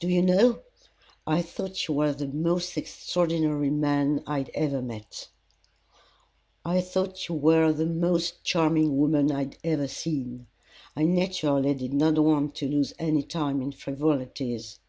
"Do you know, I thought you were the most extraordinary man I had ever met." "I thought you were the most charming woman I had ever seen. I naturally did not want to lose any time in frivolities.